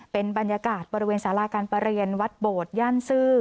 เป็นบรรยากาศบริเวณสาราการประเรียนวัดโบดย่านซื่อ